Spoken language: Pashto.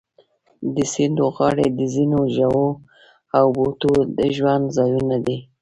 د سیندونو غاړې د ځینو ژوو او بوټو د ژوند ځایونه دي.